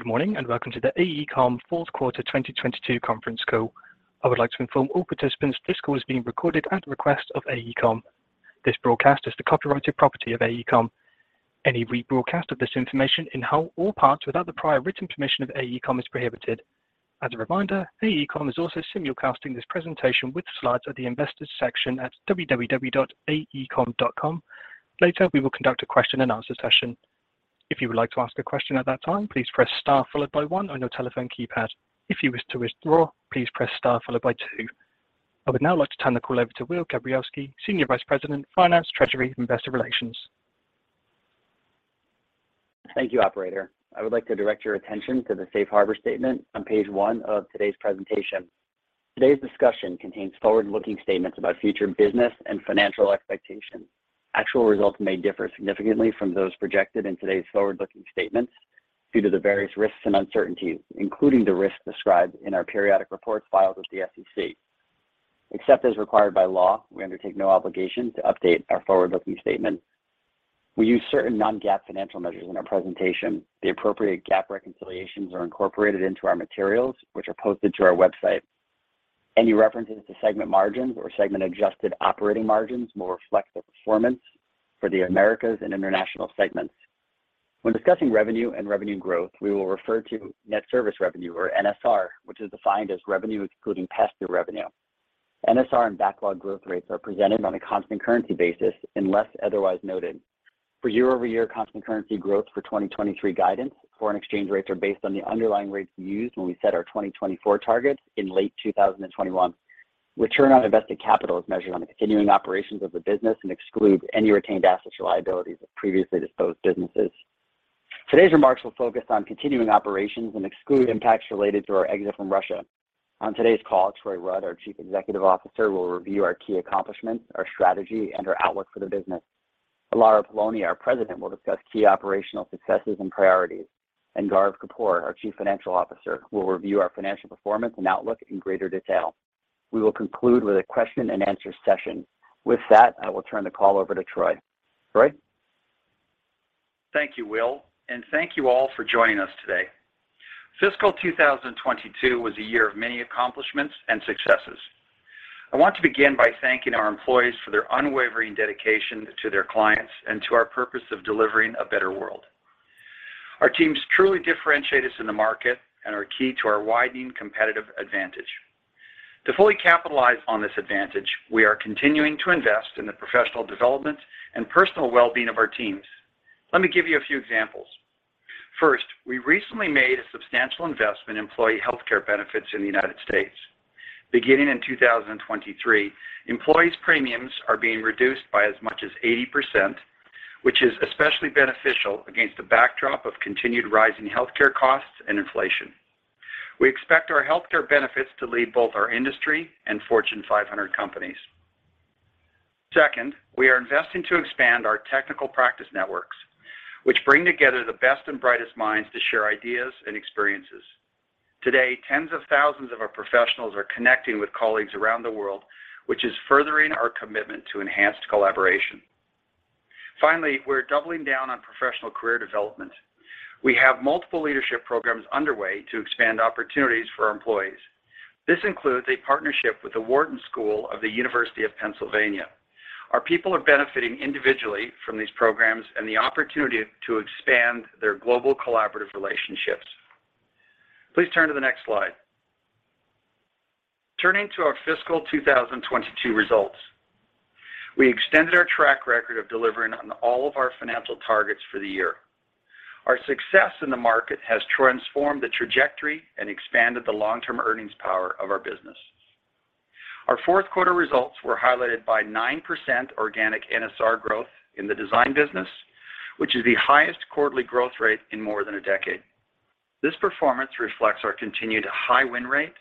Good morning, and welcome to the AECOM fourth quarter 2022 conference call. I would like to inform all participants this call is being recorded at the request of AECOM. This broadcast is the copyrighted property of AECOM. Any rebroadcast of this information in whole or parts without the prior written permission of AECOM is prohibited. As a reminder, AECOM is also simulcasting this presentation with slides at the Investor Section at www.aecom.com. Later, we will conduct a question-and-answer session. If you would like to ask a question at that time, please press star followed by one on your telephone keypad. If you wish to withdraw, please press star followed by two. I would now like to turn the call over to Will Gabrielski, Senior Vice President, Finance, Treasury, Investor Relations. Thank you, operator. I would like to direct your attention to the safe harbor statement on page one of today's presentation. Today's discussion contains forward-looking statements about future business and financial expectations. Actual results may differ significantly from those projected in today's forward-looking statements due to the various risks and uncertainties, including the risks described in our periodic reports filed with the SEC. Except as required by law, we undertake no obligation to update our forward-looking statement. We use certain non-GAAP financial measures in our presentation. The appropriate GAAP reconciliations are incorporated into our materials, which are posted to our website. Any references to segment margins or segment adjusted operating margins will reflect the performance for the Americas and International segments. When discussing revenue and revenue growth, we will refer to net service revenue, or NSR, which is defined as revenue excluding pass-through revenue. NSR and backlog growth rates are presented on a constant currency basis unless otherwise noted. For year-over-year constant currency growth for 2023 guidance, foreign exchange rates are based on the underlying rates used when we set our 2024 targets in late 2021. Return on invested capital is measured on the continuing operations of the business and excludes any retained assets or liabilities of previously disposed businesses. Today's remarks will focus on continuing operations and exclude impacts related to our exit from Russia. On today's call, Troy Rudd, our Chief Executive Officer, will review our key accomplishments, our strategy, and our outlook for the business. Lara Poloni, our President, will discuss key operational successes and priorities, and Gaurav Kapoor, our Chief Financial Officer, will review our financial performance and outlook in greater detail. We will conclude with a question-and-answer session. With that, I will turn the call over to Troy. Troy? Thank you, Will, and thank you all for joining us today. Fiscal 2022 was a year of many accomplishments and successes. I want to begin by thanking our employees for their unwavering dedication to their clients and to our purpose of delivering a better world. Our teams truly differentiate us in the market and are key to our widening competitive advantage. To fully capitalize on this advantage, we are continuing to invest in the professional development and personal well-being of our teams. Let me give you a few examples. First, we recently made a substantial investment in employee healthcare benefits in the United States. Beginning in 2023, employees' premiums are being reduced by as much as 80%, which is especially beneficial against the backdrop of continued rising healthcare costs and inflation. We expect our healthcare benefits to lead both our industry and Fortune 500 companies. Second, we are investing to expand our technical practice networks, which bring together the best and brightest minds to share ideas and experiences. Today, tens of thousands of our professionals are connecting with colleagues around the world, which is furthering our commitment to enhanced collaboration. Finally, we're doubling down on professional career development. We have multiple leadership programs underway to expand opportunities for our employees. This includes a partnership with the Wharton School of the University of Pennsylvania. Our people are benefiting individually from these programs and the opportunity to expand their global collaborative relationships. Please turn to the next slide. Turning to our fiscal 2022 results, we extended our track record of delivering on all of our financial targets for the year. Our success in the market has transformed the trajectory and expanded the long-term earnings power of our business. Our fourth quarter results were highlighted by 9% organic NSR growth in the design business, which is the highest quarterly growth rate in more than a decade. This performance reflects our continued high win rate,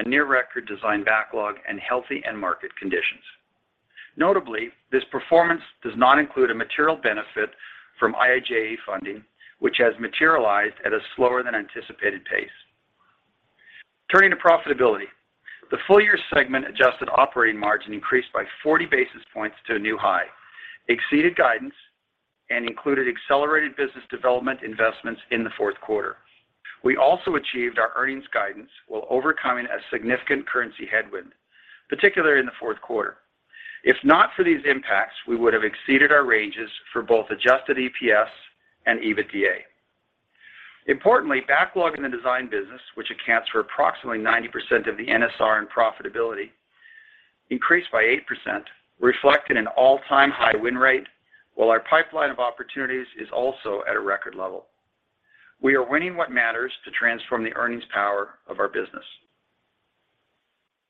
a near-record design backlog, and healthy end- market conditions. Notably, this performance does not include a material benefit from IIJA funding, which has materialized at a slower-than-anticipated pace. Turning to profitability, the full year segment adjusted operating margin increased by 40 basis points to a new high, exceeded guidance, and included accelerated business development investments in the fourth quarter. We also achieved our earnings guidance while overcoming a significant currency headwind, particularly in the fourth quarter. If not for these impacts, we would have exceeded our ranges for both adjusted EPS and EBITDA.Importantly, backlog in the design business, which accounts for approximately 90% of the NSR and profitability, increased by 8%, reflecting an all-time high win rate, while our pipeline of opportunities is also at a record level. We are winning what matters to transform the earnings power of our business.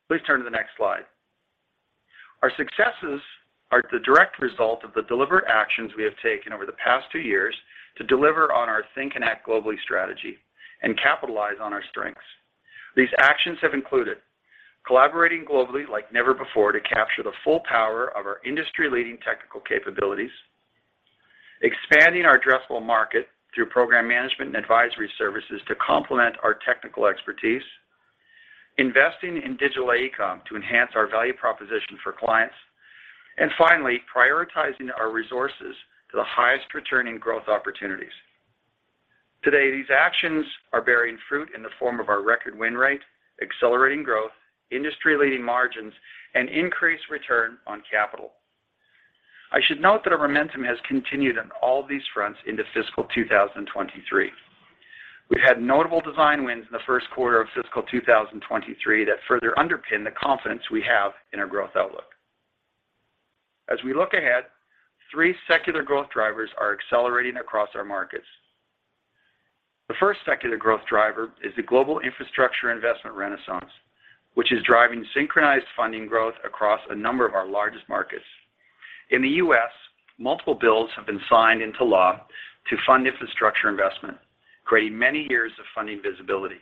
Please turn to the next slide. Our successes are the direct result of the deliberate actions we have taken over the past two years to deliver on our Think and Act Globally strategy and capitalize on our strengths. These actions have included collaborating globally like never before to capture the full power of our industry-leading technical capabilities, expanding our addressable market through program management and advisory services to complement our technical expertise. Investing in Digital AECOM to enhance our value proposition for clients and finally, prioritizing our resources to the highest returning growth opportunities. Today, these actions are bearing fruit in the form of our record win rate, accelerating growth, industry-leading margins and increased return on capital. I should note that our momentum has continued on all these fronts into fiscal 2023. We've had notable design wins in the first quarter of fiscal 2023 that further underpin the confidence we have in our growth outlook. As we look ahead, three secular growth drivers are accelerating across our markets. The first secular growth driver is the global infrastructure investment renaissance, which is driving synchronized funding growth across a number of our largest markets. In the U.S., multiple bills have been signed into law to fund infrastructure investment, creating many years of funding visibility.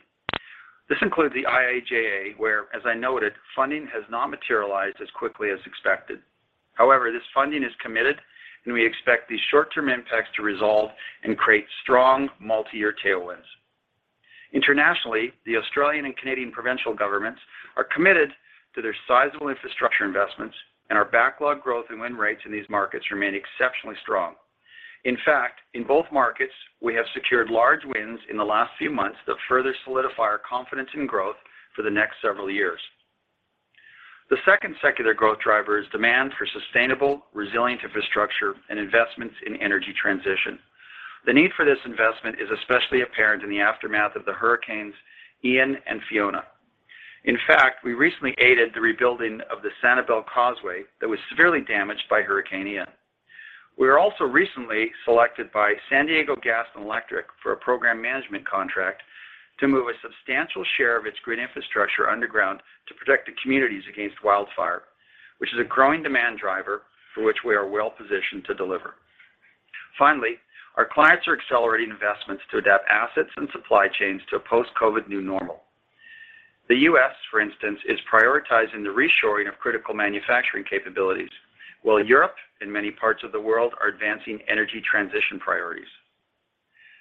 This includes the IIJA, where, as I noted, funding has not materialized as quickly as expected. However, this funding is committed and we expect these short term impacts to resolve and create strong multi-year tailwinds. Internationally, the Australian and Canadian provincial governments are committed to their sizable infrastructure investments, and our backlog growth and win rates in these markets remain exceptionally strong. In fact, in both markets, we have secured large wins in the last few months that further solidify our confidence in growth for the next several years. The second secular growth driver is demand for sustainable, resilient infrastructure and investments in energy transition. The need for this investment is especially apparent in the aftermath of Hurricane Ian and Fiona. In fact, we recently aided the rebuilding of the Sanibel Causeway that was severely damaged by Hurricane Ian. We were also recently selected by San Diego Gas & Electric for a program management contract to move a substantial share of its grid infrastructure underground to protect the communities against wildfire, which is a growing demand driver for which we are well positioned to deliver. Finally, our clients are accelerating investments to adapt assets and supply chains to a post-COVID new normal. The U.S., for instance, is prioritizing the reshoring of critical manufacturing capabilities, while Europe and many parts of the world are advancing energy transition priorities.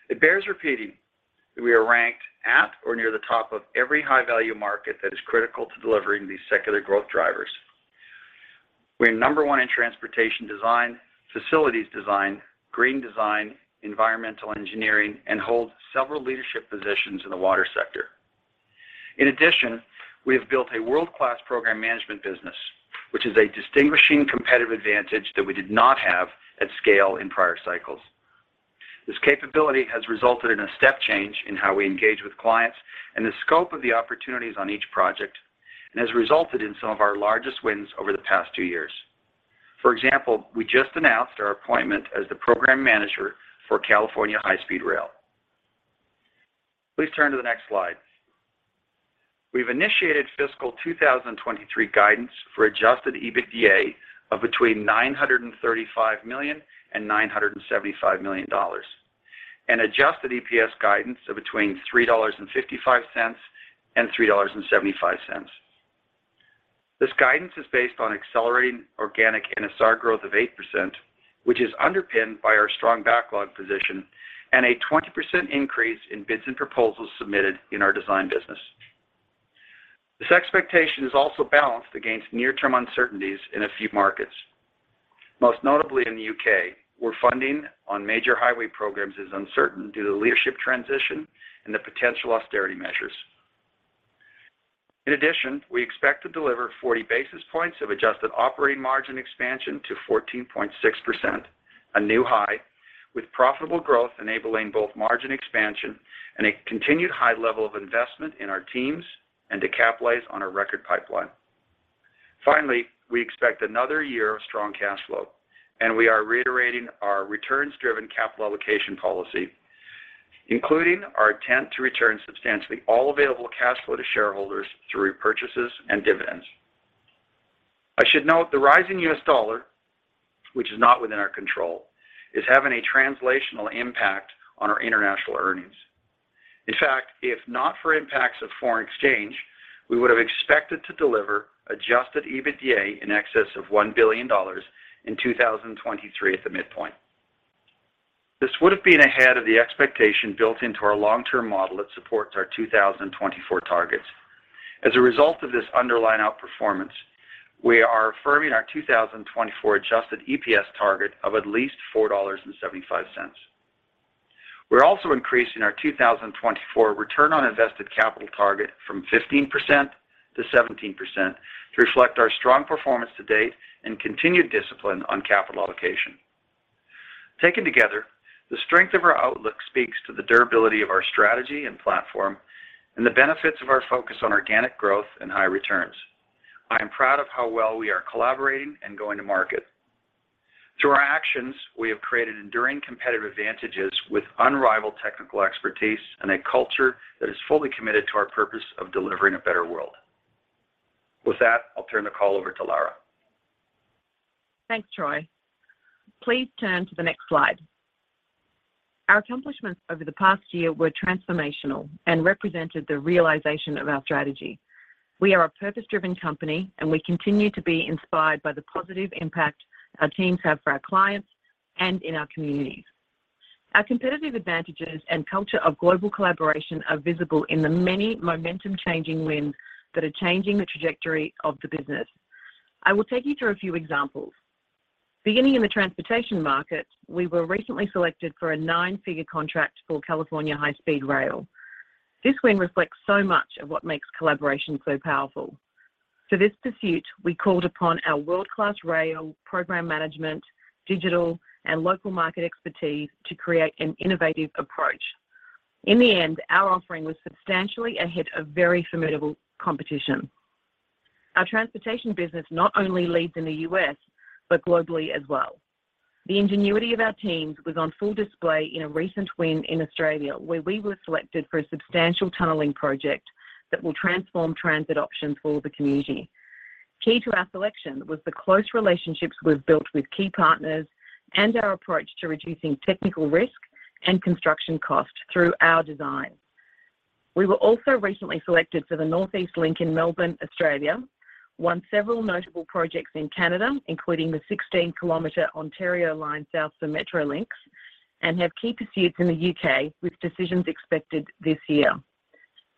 It bears repeating that we are ranked at or near the top of every high value market that is critical to delivering these secular growth drivers. We are number one in transportation design, facilities design, green design, environmental engineering, and hold several leadership positions in the water sector. In addition, we have built a world-class program management business, which is a distinguishing competitive advantage that we did not have at scale in prior cycles. This capability has resulted in a step change in how we engage with clients and the scope of the opportunities on each project and has resulted in some of our largest wins over the past two years. For example, we just announced our appointment as the program manager for California High-Speed Rail. Please turn to the next slide. We've initiated fiscal 2023 guidance for adjusted EBITDA of between $935 million and $975 million and adjusted EPS guidance of between $3.55 and $3.75. This guidance is based on accelerating organic NSR growth of 8%, which is underpinned by our strong backlog position and a 20% increase in bids and proposals submitted in our design business. This expectation is also balanced against near-term uncertainties in a few markets, most notably in the U.K., where funding on major highway programs is uncertain due to leadership transition and the potential austerity measures. In addition, we expect to deliver 40 basis points of adjusted operating margin expansion to 14.6%, a new high with profitable growth, enabling both margin expansion and a continued high level of investment in our teams and to capitalize on our record pipeline. Finally, we expect another year of strong cash flow, and we are reiterating our returns-driven capital allocation policy, including our intent to return substantially all available cash flow to shareholders through repurchases and dividends. I should note the rising U.S. dollar, which is not within our control, is having a translational impact on our international earnings. In fact, if not for impacts of foreign exchange, we would have expected to deliver adjusted EBITDA in excess of $1 billion in 2023 at the midpoint. This would have been ahead of the expectation built into our long-term model that supports our 2024 targets. As a result of this underlying outperformance, we are affirming our 2024 adjusted EPS target of at least $4.75. We're also increasing our 2024 return on invested capital target from 15% to 17% to reflect our strong performance to date and continued discipline on capital allocation. Taken together, the strength of our outlook speaks to the durability of our strategy and platform and the benefits of our focus on organic growth and high returns. I am proud of how well we are collaborating and going to market. Through our actions, we have created znduring competitive advantages with unrivaled technical expertise and a culture that is fully committed to our purpose of delivering a better world. With that, I'll turn the call over to Lara. Thanks, Troy. Please turn to the next slide. Our accomplishments over the past year were transformational and represented the realization of our strategy. We are a purpose-driven company, and we continue to be inspired by the positive impact our teams have for our clients and in our communities. Our competitive advantages and culture of global collaboration are visible in the many momentum-changing wins that are changing the trajectory of the business. I will take you through a few examples. Beginning in the transportation market, we were recently selected for a nine-figure contract for California High-Speed Rail. This win reflects so much of what makes collaboration so powerful. For this pursuit, we called upon our world-class rail program management, digital and local market expertise to create an innovative approach. In the end, our offering was substantially ahead of very formidable competition. Our transportation business not only leads in the U.S., but globally as well. The ingenuity of our teams was on full display in a recent win in Australia, where we were selected for a substantial tunneling project that will transform transit options for the community. Key to our selection was the close relationships we've built with key partners and our approach to reducing technical risk and construction cost through our design. We were also recently selected for the North East Link in Melbourne, Australia, won several notable projects in Canada, including the 16-kilometer Ontario line south for Metrolinx, and have key pursuits in the U.K., with decisions expected this year.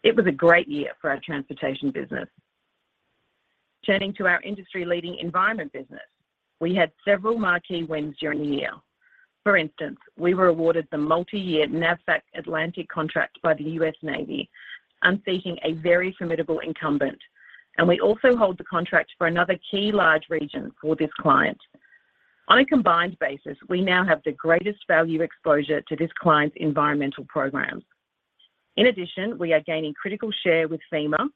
It was a great year for our transportation business. Turning to our industry-leading environment business, we had several marquee wins during the year. For instance, we were awarded the multi-year NAVFAC Atlantic contract by the U.S. Navy, unseating a very formidable incumbent, and we also hold the contract for another key large region for this client. On a combined basis, we now have the greatest value exposure to this client's environmental programs. In addition, we are gaining critical share with FEMA,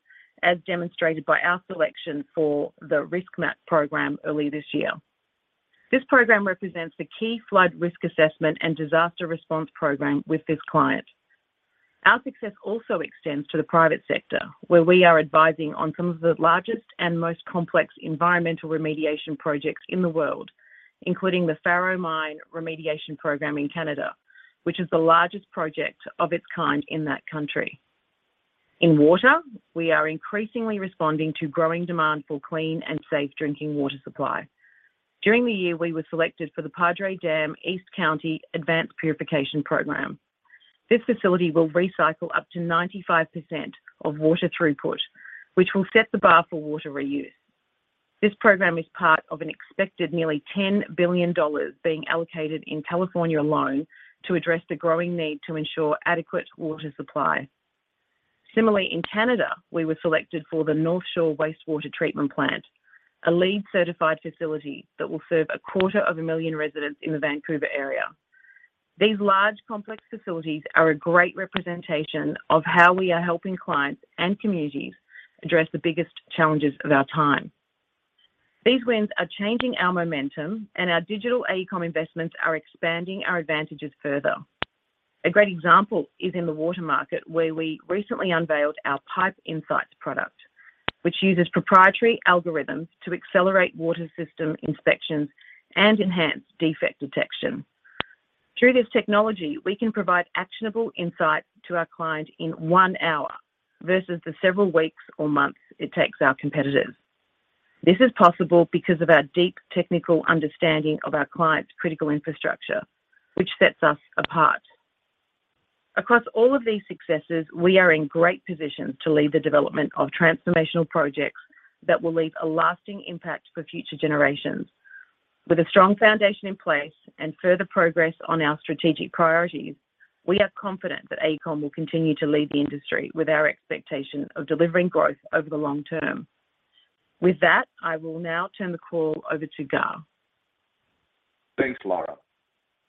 as demonstrated by our selection for the Risk MAP program early this year. This program represents the key flood risk assessment and disaster response program with this client. Our success also extends to the private sector, where we are advising on some of the largest and most complex environmental remediation projects in the world, including the Faro Mine remediation program in Canada, which is the largest project of its kind in that country. In water, we are increasingly responding to growing demand for clean and safe drinking water supply. During the year, we were selected for the Padre Dam East County Advanced Water Purification Program. This facility will recycle up to 95% of water throughput, which will set the bar for water reuse. This program is part of an expected nearly $10 billion being allocated in California alone to address the growing need to ensure adequate water supply. Similarly, in Canada, we were selected for the North Shore Wastewater Treatment Plant, a LEED-certified facility that will serve a quarter of a million residents in the Vancouver area. These large, complex facilities are a great representation of how we are helping clients and communities address the biggest challenges of our time. These wins are changing our momentum, and our Digital AECOM investments are expanding our advantages further. A great example is in the water market, where we recently unveiled our PipeInsights product, which uses proprietary algorithms to accelerate water system inspections and enhance defect detection. Through this technology, we can provide actionable insights to our client in one hour versus the several weeks or months it takes our competitors. This is possible because of our deep technical understanding of our clients' critical infrastructure, which sets us apart. Across all of these successes, we are in great position to lead the development of transformational projects that will leave a lasting impact for future generations. With a strong foundation in place and further progress on our strategic priorities, we are confident that AECOM will continue to lead the industry with our expectation of delivering growth over the long term. With that, I will now turn the call over to Gaurav. Thanks, Lara.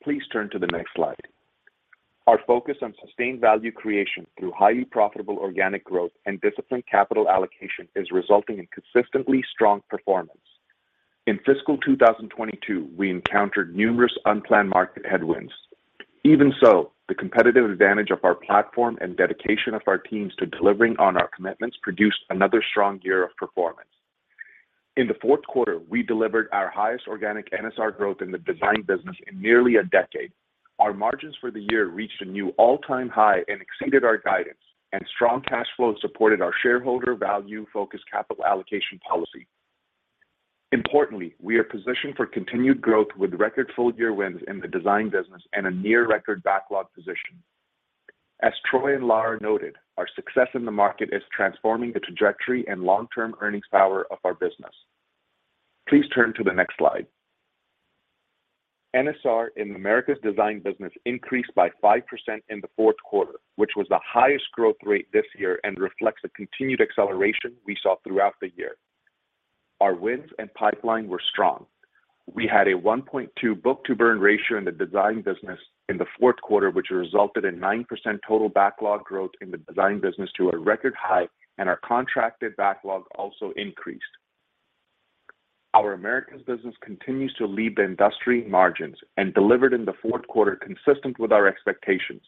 Please turn to the next slide. Our focus on sustained value creation through highly profitable organic growth and disciplined capital allocation is resulting in consistently strong performance. In fiscal 2022, we encountered numerous unplanned market headwinds. Even so, the competitive advantage of our platform and dedication of our teams to delivering on our commitments produced another strong year of performance. In the fourth quarter, we delivered our highest organic NSR growth in the design business in nearly a decade. Our margins for the year reached a new all-time high and exceeded our guidance, and strong cash flow supported our shareholder value-focused capital allocation policy. Importantly, we are positioned for continued growth with record full-year wins in the design business and a near-record backlog position. As Troy and Lara noted, our success in the market is transforming the trajectory and long-term earnings power of our business. Please turn to the next slide. NSR in Americas design business increased by 5% in the fourth quarter, which was the highest growth rate this year and reflects the continued acceleration we saw throughout the year. Our wins and pipeline were strong. We had ,a 1.2 book-to-burn ratio in the design business in the fourth quarter, which resulted in 9% total backlog growth in the design business to a record high, and our contracted backlog also increased. Our Americas business continues to lead the industry in margins and delivered in the fourth quarter, consistent with our expectations.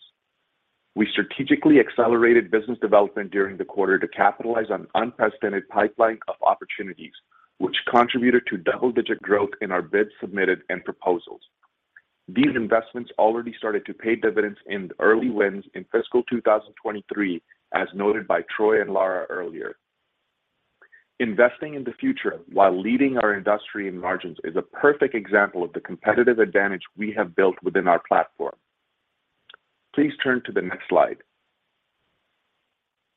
We strategically accelerated business development during the quarter to capitalize on unprecedented pipeline of opportunities, which contributed to double-digit growth in our bids submitted and proposals. These investments already started to pay dividends in early wins in fiscal 2023, as noted by Troy and Lara earlier. Investing in the future while leading our industry in margins is a perfect example of the competitive advantage we have built within our platform. Please turn to the next slide.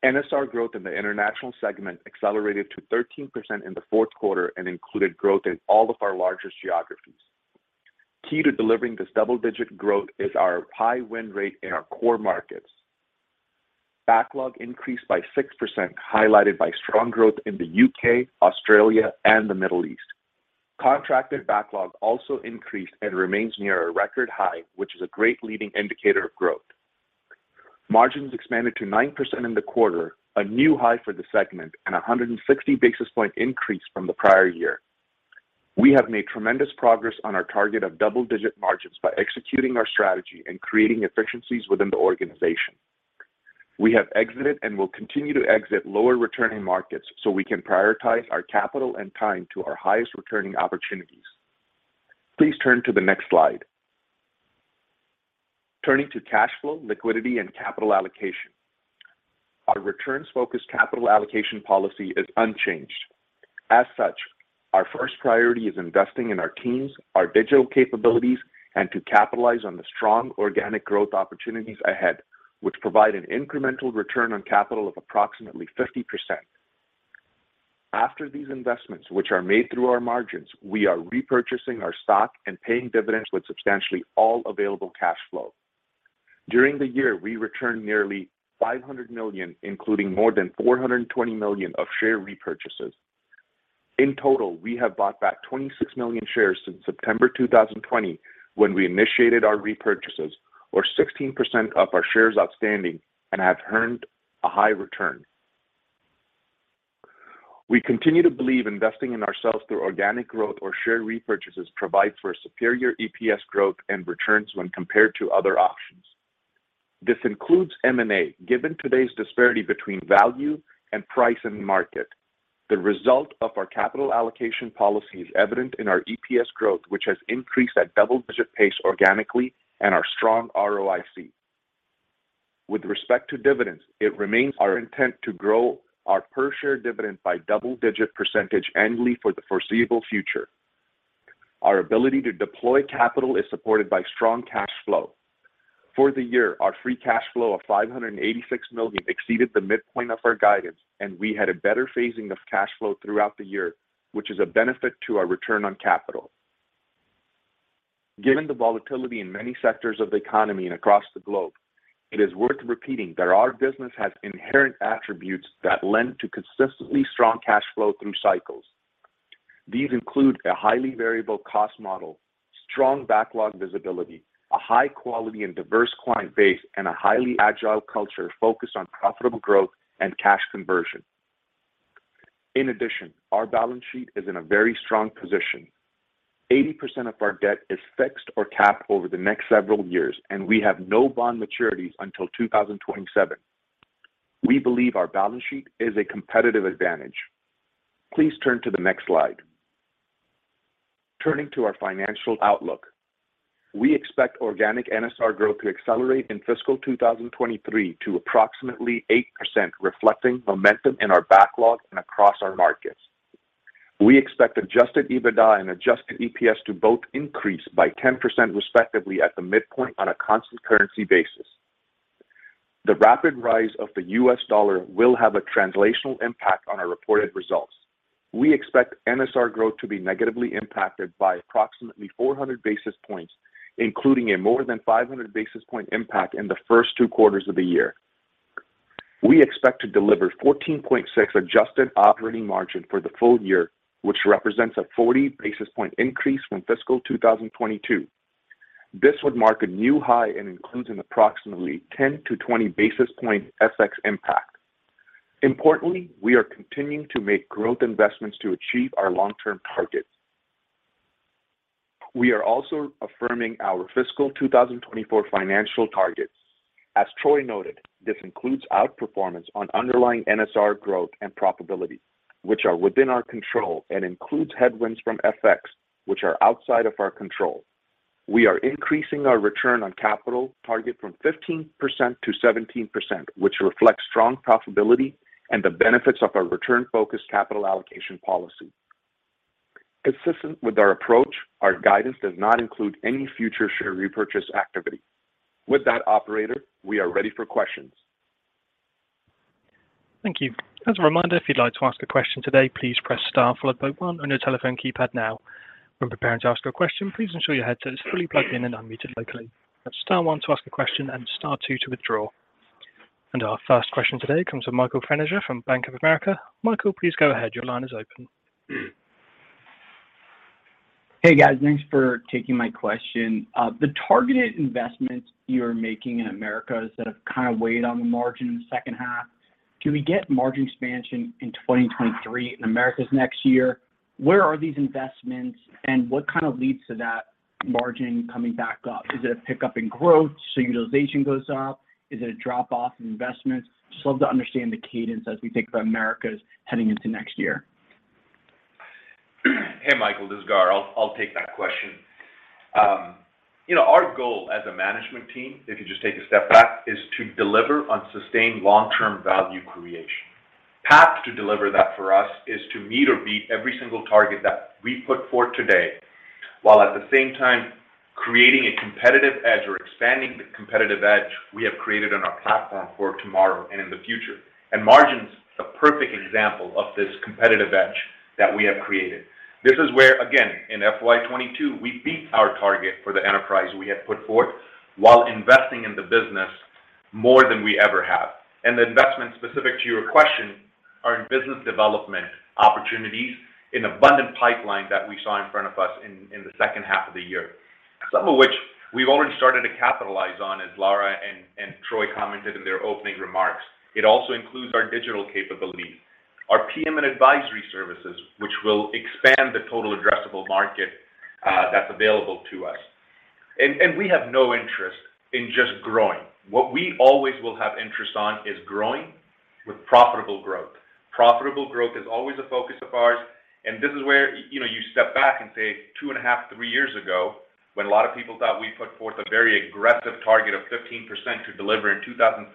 NSR growth in the international segment accelerated to 13% in the fourth quarter and included growth in all of our largest geographies. Key to delivering this double-digit growth is our high win rate in our core markets. Backlog increased by 6%, highlighted by strong growth in the U.K., Australia, and the Middle East. Contracted backlog also increased and remains near a record high, which is a great leading indicator of growth. Margins expanded to 9% in the quarter, a new high for the segment, and a 160 basis point increase from the prior year. We have made tremendous progress on our target of double-digit margins by executing our strategy and creating efficiencies within the organization. We have exited and will continue to exit lower-returning markets so we can prioritize our capital and time to our highest-returning opportunities. Please turn to the next slide. Turning to cash flow, liquidity, and capital allocation. Our returns-focused capital allocation policy is unchanged. As such, our first priority is investing in our teams, our digital capabilities, and to capitalize on the strong organic growth opportunities ahead, which provide an incremental return on capital of approximately 50%. After these investments, which are made through our margins, we are repurchasing our stock and paying dividends with substantially all available cash flow. During the year, we returned nearly $500 million, including more than $420 million of share repurchases. In total, we have bought back 26 million shares since September 2020, when we initiated our repurchases, or 16% of our shares outstanding and have earned a high return. We continue to believe investing in ourselves through organic growth or share repurchases provides for superior EPS growth and returns when compared to other options. This includes M&A, given today's disparity between value and price in the market. The result of our capital allocation policy is evident in our EPS growth, which has increased at double-digit pace organically, and our strong ROIC. With respect to dividends, it remains our intent to grow our per share dividend by double-digit % annually for the foreseeable future. Our ability to deploy capital is supported by strong cash flow. For the year, our free cash flow of $586 million exceeded the midpoint of our guidance, and we had a better phasing of cash flow throughout the year, which is a benefit to our return on capital. Given the volatility in many sectors of the economy and across the globe, it is worth repeating that our business has inherent attributes that lend to consistently strong cash flow through cycles. These include a highly variable cost model, strong backlog visibility, a high quality and diverse client base, and a highly agile culture focused on profitable growth and cash conversion. In addition, our balance sheet is in a very strong position. 80% of our debt is fixed or capped over the next several years, and we have no bond maturities until 2027. We believe our balance sheet is a competitive advantage. Please turn to the next slide. Turning to our financial outlook. We expect organic NSR growth to accelerate in fiscal 2023 to approximately 8%, reflecting momentum in our backlog and across our markets. We expect adjusted EBITDA and adjusted EPS to both increase by 10%, respectively, at the midpoint on a constant currency basis. The rapid rise of the U.S. dollar will have a translational impact on our reported results. We expect NSR growth to be negatively impacted by approximately 400 basis points, including a more than 500 basis point impact in the first two quarters of the year. We expect to deliver 14.6% adjusted operating margin for the full year, which represents a 40 basis point increase from fiscal 2022. This would mark a new high and includes an approximately 10-20 basis point FX impact. Importantly, we are continuing to make growth investments to achieve our long-term targets. We are also affirming our fiscal 2024 financial targets. As Troy noted, this includes outperformance on underlying NSR growth and profitability, which are within our control, and includes headwinds from FX, which are outside of our control. We are increasing our return on capital target from 15%-17%, which reflects strong profitability and the benefits of our return-focused capital allocation policy. Consistent with our approach, our guidance does not include any future share repurchase activity. With that, operator, we are ready for questions. Thank you. As a reminder, if you'd like to ask a question today, please press star followed by one on your telephone keypad now. When preparing to ask your question, please ensure your headset is fully plugged in and unmuted locally. Press star one to ask a question and star two to withdraw. Our first question today comes from Michael Feniger from Bank of America. Michael, please go ahead. Your line is open. Hey, guys. Thanks for taking my question. The targeted investments you're making in Americas that have kind of weighed on the margin in the second half, can we get margin expansion in 2023 in Americas next year? Where are these investments, and what kind of leads to that margin coming back up? Is it a pickup in growth, so utilization goes up? Is it a drop off in investments? Just love to understand the cadence as we think about Americas heading into next year. Hey, Michael, t'his is Gaurav. I'll take that question. You know, our goal as a management team, if you just take a step back, is to deliver on sustained long-term value creation. The path to deliver that for us is to meet or beat every single target that we put forth today, while at the same time creating a competitive edge or expanding the competitive edge we have created on our platform for tomorrow and in the future. Margins, the perfect example of this competitive edge that we have created. This is where, again, in FY 2022, we beat our target for the enterprise we had put forth while investing in the business more than we ever have. The investment specific to your question are in business development opportunities in abundant pipeline that we saw in front of us in the second half of the year. Some of which we've already started to capitalize on, as Lara and Troy commented in their opening remarks. It also includes our digital capability, our PM and advisory services, which will expand the total addressable market that's available to us. We have no interest in just growing. What we always will have interest in is growing with profitable growth. Profitable growth is always a focus of ours, and this is where you step back and say, 2.5 to three years ago, when a lot of people thought we put forth a very aggressive target of 15% to deliver in 2014,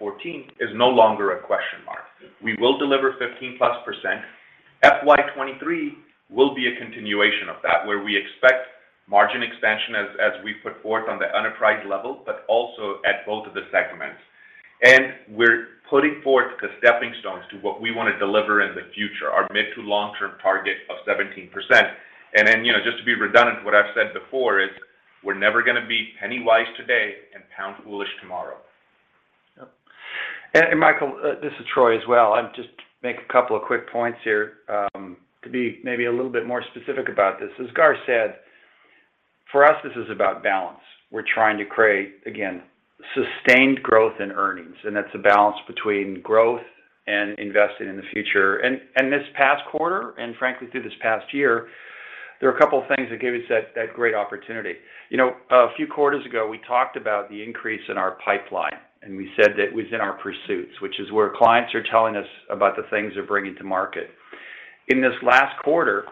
is no longer a question mark. We will deliver 15%+. FY 2023 will be a continuation of that, where we expect margin expansion as we put forth on the enterprise level, but also at both of the segments. We're putting forth the stepping stones to what we wanna deliver in the future, our mid to long-term target of 17%. Then, you know, just to be redundant, what I've said before is we're never gonna be penny-wise today and pound-foolish tomorrow. Yep. Michael, this is Troy as well. I'll just make a couple of quick points here, to be maybe a little bit more specific about this. As Gaur said, for us, this is about balance. We're trying to create, again, sustained growth in earnings, and that's a balance between growth and investing in the future. This past quarter, and frankly through this past year, there are a couple of things that gave us that great opportunity. You know, a few quarters ago, we talked about the increase in our pipeline, and we said that it was in our pursuits, which is where clients are telling us about the things they're bringing to market. In this last quarter,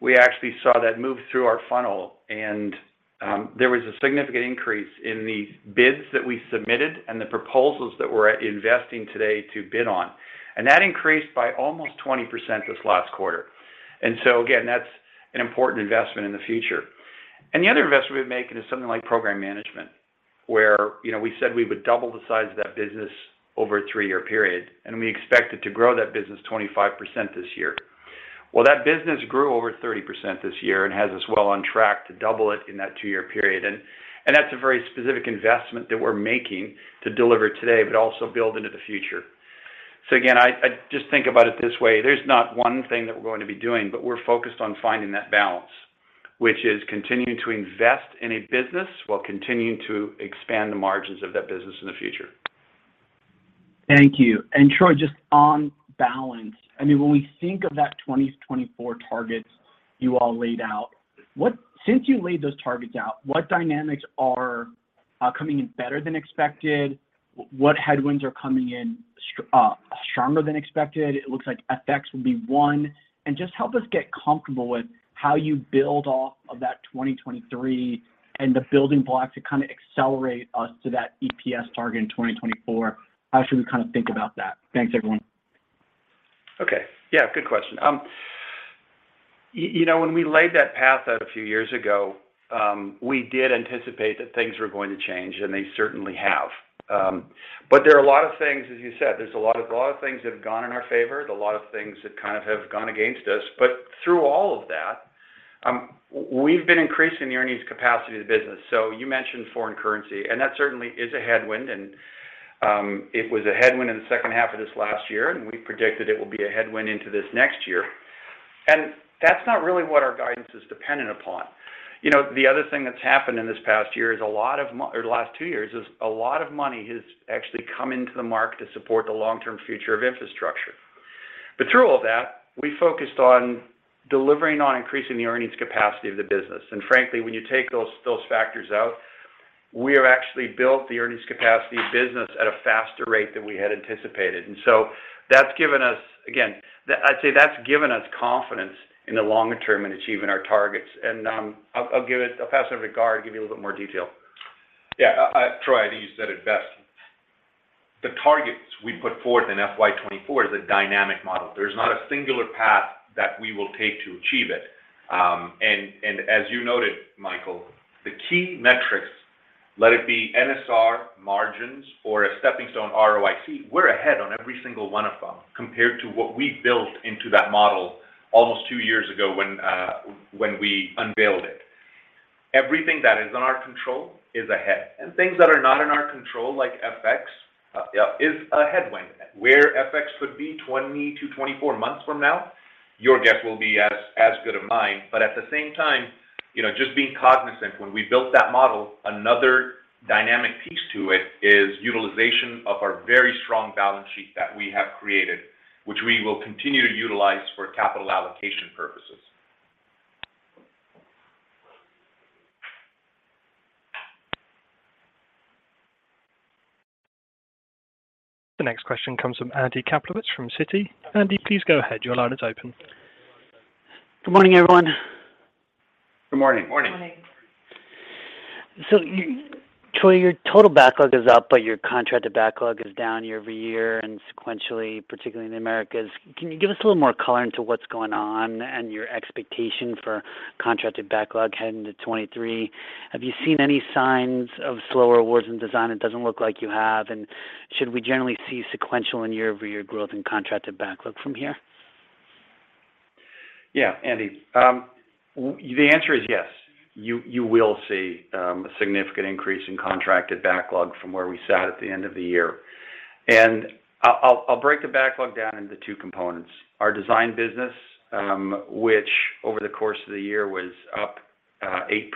we actually saw that move through our funnel, and there was a significant increase in the bids that we submitted and the proposals that we're investing today to bid on. That increased by almost 20% this last quarter. Again, that's an important investment in the future. The other investment we've made is something like program management, where, you know, we said we would double the size of that business over a three-year period, and we expected to grow that business 25% this year. Well, that business grew over 30% this year and has us well on track to double it in that two-year period. That's a very specific investment that we're making to deliver today, but also build into the future. Again, I just think about it this way. There's not one thing that we're going to be doing, but we're focused on finding that balance, which is continuing to invest in a business while continuing to expand the margins of that business in the future. Thank you. Troy, just on balance, I mean, when we think of that 2024 targets you all laid out, since you laid those targets out, what dynamics are coming in better than expected? What headwinds are coming in stronger than expected? It looks like FX would be one. Just help us get comfortable with how you build off of that 2023 and the building blocks to kinda accelerate us to that EPS target in 2024. How should we kind of think about that? Thanks, everyone. Okay. Yeah, good question. You know, when we laid that path out a few years ago, we did anticipate that things were going to change, and they certainly have. There are a lot of things, as you said, that have gone in our favor. There are a lot of things that kind of have gone against us. Through all of that, we've been increasing the earnings capacity of the business. You mentioned foreign currency, and that certainly is a headwind, and it was a headwind in the second half of this last year, and we predicted it will be a headwind into this next year. That's not really what our guidance is dependent upon. You know, the other thing that's happened in this past year or the last two years is a lot of money has actually come into the market to support the long-term future of infrastructure. Through all that, we focused on delivering on increasing the earnings capacity of the business. Frankly, when you take those factors out, we have actually built the earnings capacity of business at a faster rate than we had anticipated. That's given us, again, I'd say that's given us confidence in the longer term in achieving our targets. I'll pass it over to Gaurav to give you a little bit more detail. Yeah. Troy, I think you said it best. The targets we put forth in FY 2024 is a dynamic model. There's not a singular path that we will take to achieve it. As you noted, Michael, the key metrics, be it NSR margins or a stepping stone ROIC, we're ahead on every single one of them compared to what we built into that model almost two years ago when we unveiled it. Everything that is in our control is ahead. Things that are not in our control, like FX, is a headwind. Where FX could be 20-24 months from now, your guess will be as good as mine. At the same time, you know, just being cognizant, when we built that model, another dynamic piece to it is utilization of our very strong balance sheet that we have created, which we will continue to utilize for capital allocation purposes. The next question comes from Andy Kaplowitz from Citigroup. Andy, please go ahead. Your line is open. Good morning, everyone. Good morning. Morning. Troy, your total backlog is up, but your contracted backlog is down year-over-year and sequentially, particularly in the Americas. Can you give us a little more color into what's going on and your expectation for contracted backlog heading to 2023? Have you seen any signs of slower awards in design? It doesn't look like you have. Should we generally see sequential and year-over-year growth in contracted backlog from here? Yeah, Andy. The answer is yes. You will see a significant increase in contracted backlog from where we sat at the end of the year. I'll break the backlog down into two components. Our design business, which over the course of the year was up 8%.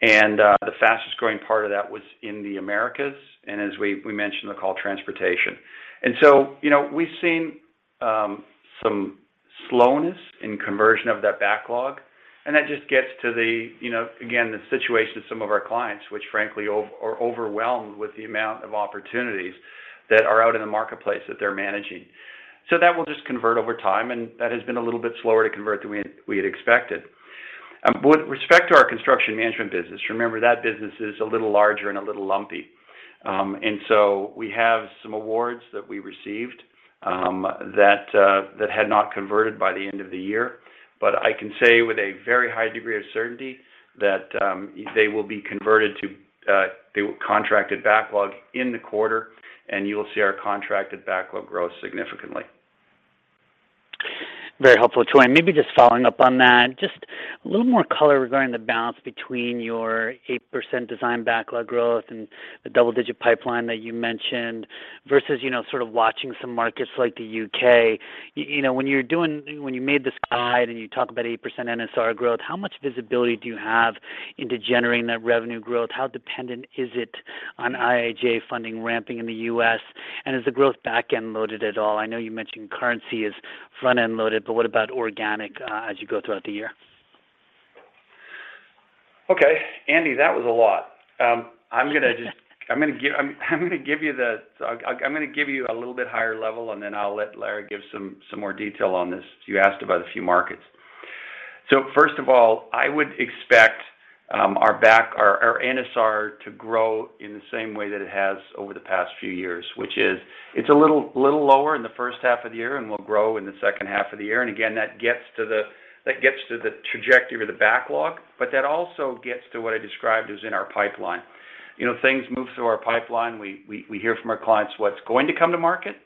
The fastest-growing part of that was in the Americas, and as we mentioned, transportation. You know, we've seen some slowness in conversion of that backlog, and that just gets to, you know, again, the situation of some of our clients, which frankly are overwhelmed with the amount of opportunities that are out in the marketplace that they're managing. That will just convert over time, and that has been a little bit slower to convert than we had expected. With respect to our construction management business, remember that business is a little larger and a little lumpy. We have some awards that we received that had not converted by the end of the year. I can say with a very high degree of certainty that they will be converted to contracted backlog in the quarter, and you will see our contracted backlog grow significantly. Very helpful, Troy. Maybe just following up on that, just a little more color regarding the balance between your 8% design backlog growth and the double-digit pipeline that you mentioned versus, you know, sort of watching some markets like the U.K. You know, when you made this guide and you talk about 8% NSR growth, how much visibility do you have into generating that revenue growth? How dependent is it on IIJA funding ramping in the U.S., and is the growth back-end loaded at all? I know you mentioned currency is front-end loaded, but what about organic, as you go throughout the year? Okay. Andy, that was a lot. I'm gonna give you a little bit higher level, and then I'll let Lara give some more detail on this. You asked about a few markets. First of all, I would expect our NSR to grow in the same way that it has over the past few years, which is it's a little lower in the first half of the year and will grow in the second half of the year. Again, that gets to the trajectory of the backlog, but that also gets to what I described is in our pipeline. You know, things move through our pipeline. We hear from our clients what's going to come to market.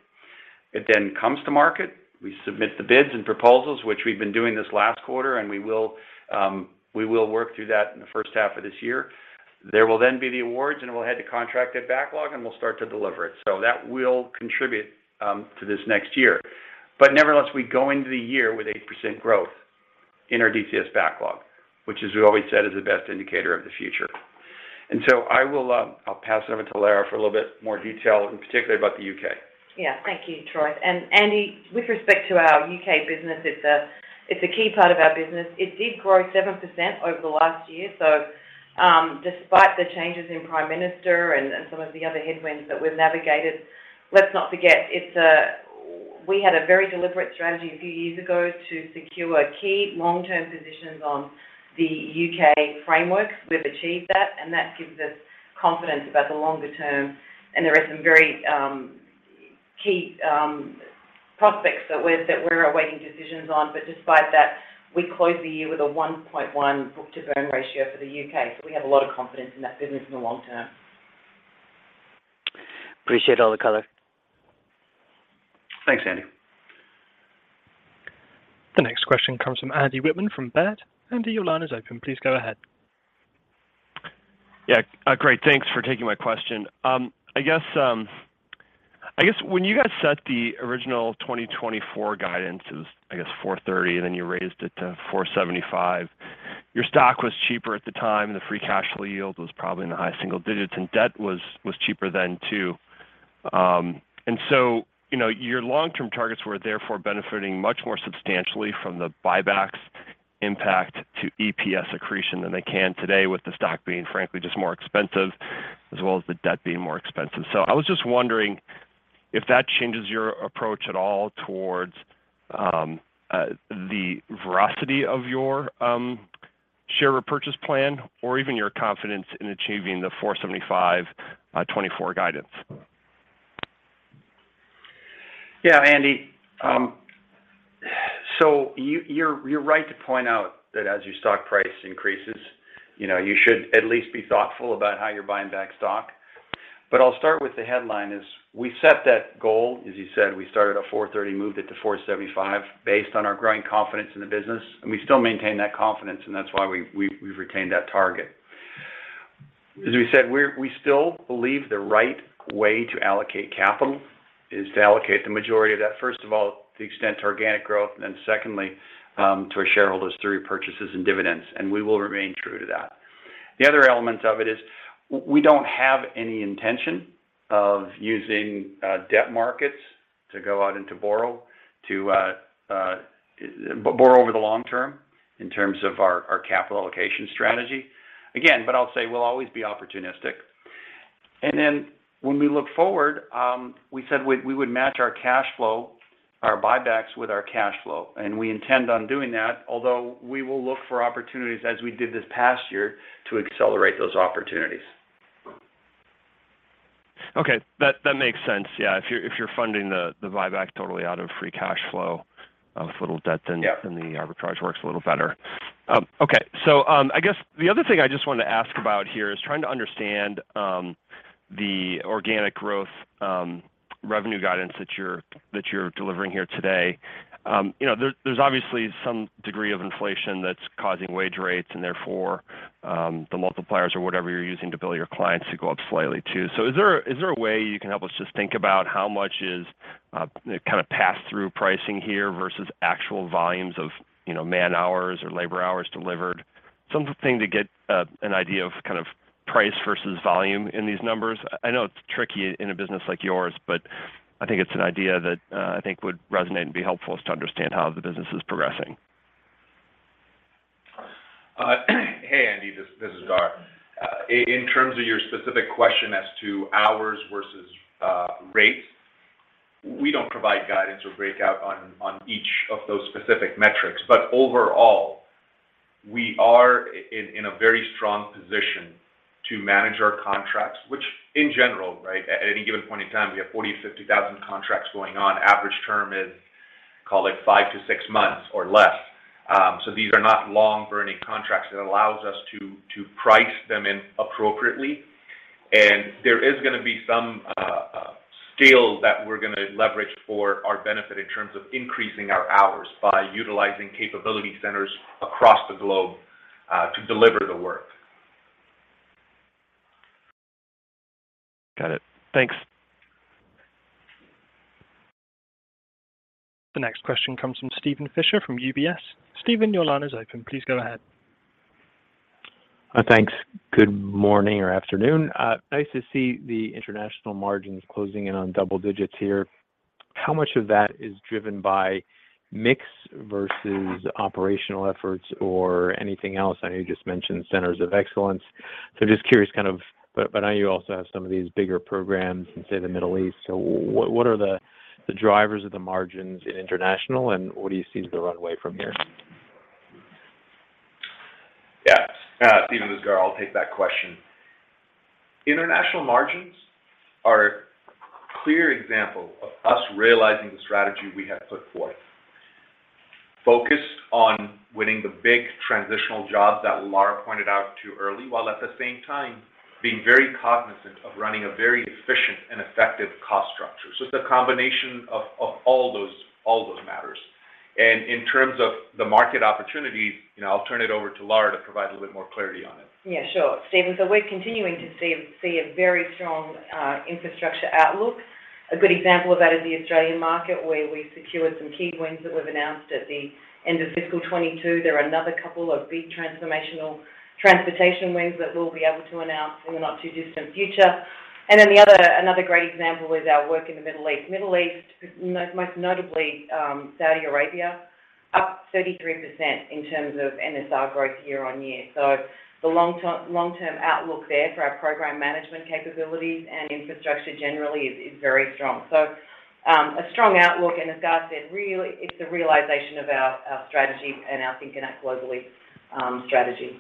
It then comes to market. We submit the bids and proposals, which we've been doing this last quarter, and we will work through that in the first half of this year. There will then be the awards, and we'll head to contract at backlog, and we'll start to deliver it. That will contribute to this next year. Nevertheless, we go into the year with 8% growth in our DCS backlog, which, as we always said, is the best indicator of the future. I'll pass it over to Lara for a little bit more detail, in particular about the U.K. Yeah. Thank you, Troy. Andy, with respect to our U.K. business, it's a key part of our business. It did grow 7% over the last year. Despite the changes in Prime Minister and some of the other headwinds that we've navigated, let's not forget we had a very deliberate strategy a few years ago to secure key long-term positions on the U.K. frameworks. We've achieved that, and that gives us confidence about the longer term. There are some very key prospects that we're awaiting decisions on. Despite that, we closed the year with a 1.1 book-to-bill ratio for the U.K. We have a lot of confidence in that business in the long term. Appreciate all the color. Thanks, Andy. The next question comes from Andy Wittmann from Baird. Andy, your line is open. Please go ahead. Yeah. Great. Thanks for taking my question. I guess when you guys set the original 2024 guidance, it was $4.30, and then you raised it to $4.75. Your stock was cheaper at the time, and the free cash flow yield was probably in the high single digits, and debt was cheaper then too. And so, you know, your long-term targets were therefore benefiting much more substantially from the buybacks impact to EPS accretion than they can today with the stock being, frankly, just more expensive as well as the debt being more expensive. I was just wondering if that changes your approach at all towards the veracity of your share repurchase plan or even your confidence in achieving the $4.75 2024 guidance. Yeah, Andy. So you're right to point out that as our stock price increases, you know, you should at least be thoughtful about how you're buying back stock. I'll start with the headline is we set that goal, as you said, we started at $430, moved it to $475 based on our growing confidence in the business, and we still maintain that confidence, and that's why we've retained that target. As we said, we still believe the right way to allocate capital is to allocate the majority of that, first of all, to invest in organic growth, and then secondly, to our shareholders through purchases and dividends, and we will remain true to that. The other element of it is we don't have any intention of using debt markets to go out and borrow over the long term. In terms of our capital allocation strategy. Again, I'll say we'll always be opportunistic. When we look forward, we said we would match our cash flow, our buybacks with our cash flow, and we intend on doing that. Although we will look for opportunities as we did this past year to accelerate those opportunities. Okay. That makes sense. Yeah, if you're funding the buyback totally out of free cash flow with a little debt, then the arbitrage works a little better. I guess the other thing I just wanted to ask about here is trying to understand the organic growth revenue guidance that you're delivering here today. You know, there's obviously some degree of inflation that's causing wage rates and therefore the multipliers or whatever you're using to bill your clients to go up slightly too. Is there a way you can help us just think about how much is kind of pass-through pricing here versus actual volumes of, you know, man-hours or labor hours delivered? Something to get an idea of kind of price versus volume in these numbers. I know it's tricky in a business like yours, but I think it's an idea that I think would resonate and be helpful is to understand how the business is progressing. Hey, Andy, this is Gaurav. In terms of your specific question as to hours versus rates, we don't provide guidance or breakout on each of those specific metrics. Overall, we are in a very strong position to manage our contracts, which in general, right, at any given point in time, we have 40,000-50,000 contracts going on. Average term is, call it five to six months or less. These are not long-burning contracts. It allows us to price them in appropriately. There is gonna be some scale that we're gonna leverage for our benefit in terms of increasing our hours by utilizing capability centers across the globe to deliver the work. Got it. Thanks. The next question comes from Steven Fisher from UBS. Steven, your line is open. Please go ahead. Thanks. Good morning or afternoon. Nice to see the international margins closing in on double digits here. How much of that is driven by mix versus operational efforts or anything else? I know you just mentioned centers of excellence, so just curious. But I know you also have some of these bigger programs in, say, the Middle East. What are the drivers of the margins in international, and what do you see as the runway from here? Yeah. Steven, this is Gaurav. I'll take that question. International margins are a clear example of us realizing the strategy we have put forth. Focused on winning the big transitional jobs that Lara pointed out to you early, while at the same time being very cognizant of running a very efficient and effective cost structure. It's a combination of all those matters. In terms of the market opportunity, you know, I'll turn it over to Lara to provide a little bit more clarity on it. Yeah, sure. Steven, we're continuing to see a very strong infrastructure outlook. A good example of that is the Australian market, where we secured some key wins that we've announced at the end of fiscal 2022. There are another couple of big transformational transportation wins that we'll be able to announce in the not-too-distant future. Another great example is our work in the Middle East, most notably Saudi Arabia, up 33% in terms of NSR growth year-on-year. The long-term outlook there for our program management capabilities and infrastructure generally is very strong. A strong outlook, and as Gaur said, really it's a realization of our strategy and our Think and Act Globally strategy.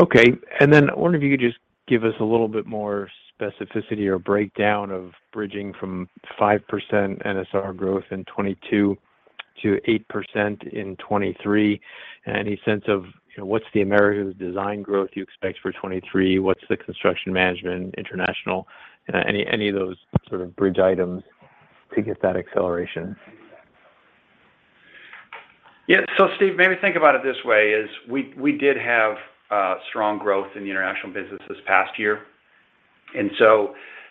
Okay. I wonder if you could just give us a little bit more specificity or breakdown of bridging from 5% NSR growth in 2022 to 8% in 2023. Any sense of, you know, what's the Americas design growth you expect for 2023? What's the Construction Management-international? Any of those sort of bridge items to get that acceleration. Yeah. Steve, maybe think about it this way, is we did have strong growth in the international business this past year.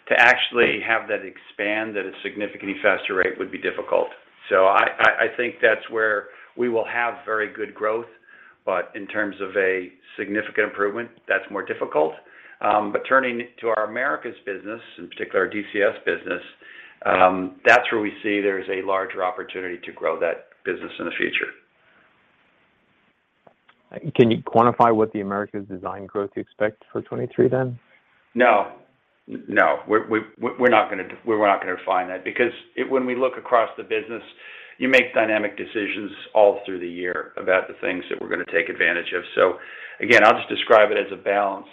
To actually have that expand at a significantly faster rate would be difficult. I think that's where we will have very good growth. In terms of a significant improvement, that's more difficult. Turning to our Americas business, in particular our DCS business, that's where we see there's a larger opportunity to grow that business in the future. Can you quantify what the Americas design growth you expect for 2023 then? No, we're not gonna refine that because it, when we look across the business, you make dynamic decisions all through the year about the things that we're gonna take advantage of. Again, I'll just describe it as a balance.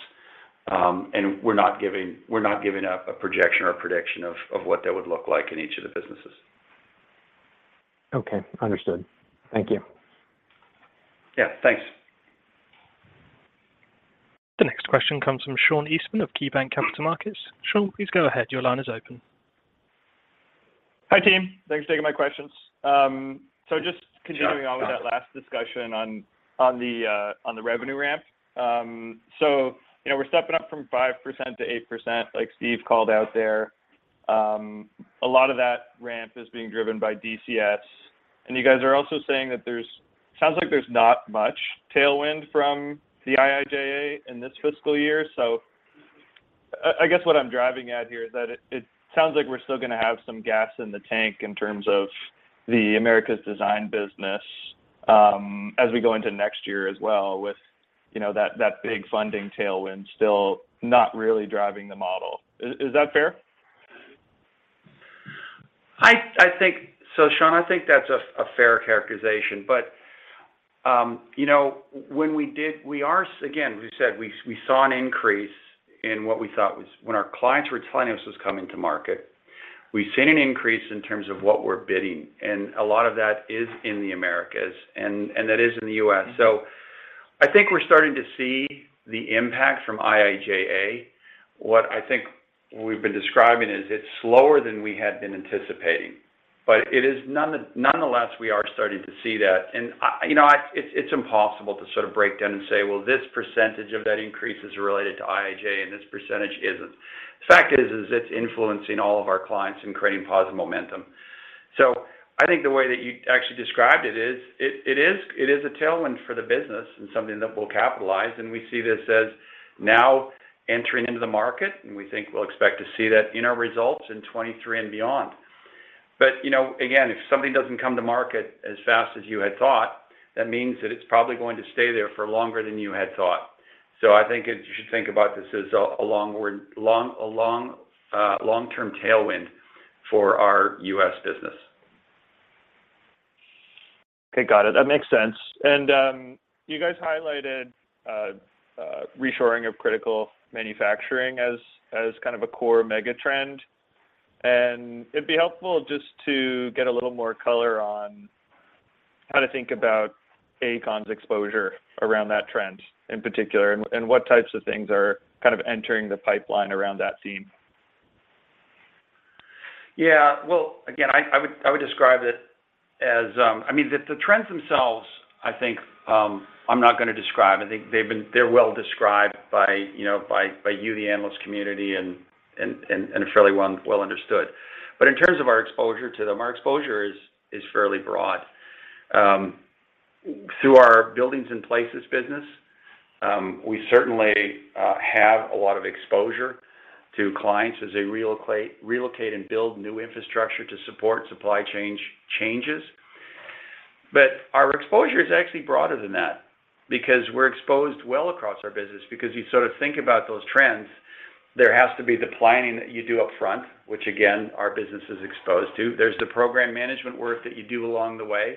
We're not giving out a projection or a prediction of what that would look like in each of the businesses. Okay. Understood. Thank you. Yeah, thanks. The next question comes from Sean Eastman of KeyBanc Capital Markets. Sean, please go ahead. Your line is open. Hi, team. Thanks for taking my questions. Just continuing on with that last discussion on the revenue ramp. You know, we're stepping up from 5% to 8%, like Steve called out there. A lot of that ramp is being driven by DCS. You guys are also saying sounds like there's not much tailwind from the IIJA in this fiscal year. I guess what I'm driving at here is that it sounds like we're still gonna have some gas in the tank in terms of the Americas design business, as we go into next year as well with you know that big funding tailwind still not really driving the model. Is that fair? I think, Sean, I think that's a fair characterization. You know, again, we said we saw an increase in what we thought was when our clients were telling us what's coming to market. We've seen an increase in terms of what we're bidding, and a lot of that is in the Americas, and that is in the U.S. I think we're starting to see the impact from IIJA. What I think we've been describing is it's slower than we had been anticipating, but nonetheless, we are starting to see that. You know, it's impossible to sort of break down and say, "Well, this percentage of that increase is related to IIJA and this percentage isn't." The fact is it's influencing all of our clients and creating positive momentum. I think the way that you actually described it is a tailwind for the business and something that we'll capitalize. We see this as now entering into the market, and we think we'll expect to see that in our results in 2023 and beyond. You know, again, if something doesn't come to market as fast as you had thought, that means that it's probably going to stay there for longer than you had thought. You should think about this as a long-term tailwind for our U.S. business. Okay. Got it. That makes sense. You guys highlighted reshoring of critical manufacturing as kind of a core mega trend. It'd be helpful just to get a little more color on how to think about AECOM's exposure around that trend in particular, and what types of things are kind of entering the pipeline around that theme. Yeah. Well, again, I would describe it as. I mean, the trends themselves, I think, I'm not gonna describe. I think they're well described by, you know, by you, the analyst community and are fairly well understood. In terms of our exposure to them, our exposure is fairly broad. Through our buildings and places business, we certainly have a lot of exposure to clients as they relocate and build new infrastructure to support supply chain changes. Our exposure is actually broader than that because we're exposed as well across our business. Because you sort of think about those trends, there has to be the planning that you do upfront, which again, our business is exposed to. There's the program management work that you do along the way,